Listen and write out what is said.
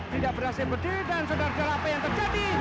tidak berhasil berdiri dan sudah jalan apa yang terjadi